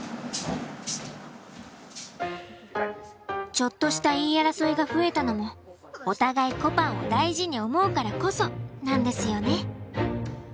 ちょっとした言い争いが増えたのもお互いこぱんを大事に思うからこそなんですよね。